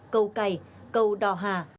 cầu cày cầu đò hà